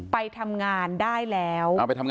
ไปทำงานได้แล้ว